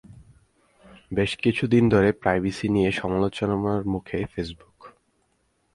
বেশ কিছুদিন ধরে প্রাইভেসি নিয়ে সমালোচনার মুখে ফেসবুক।